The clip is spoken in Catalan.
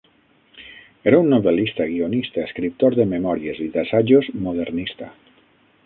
Era un novel·lista, guionista, escriptor de memòries i d'assajos modernista.